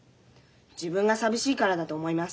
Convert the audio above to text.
自分が寂しいからだと思います。